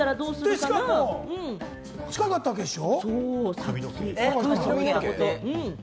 髪の毛が近かったわけでしょ？